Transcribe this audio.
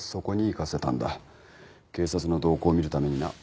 警察の動向見るためにな。